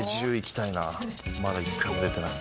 まだ１回も出てない。